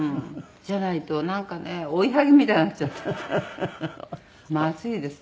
じゃないとなんかね追い剥ぎみたいになっちゃっていてまずいです。